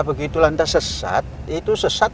begitu lantas sesat itu sesat